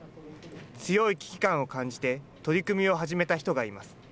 強い危機感を感じて、取り組みを始めた人がいます。